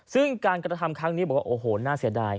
ซึ่งการกระทำครั้งนี้บอกว่าโอ้โหน่าเสียดาย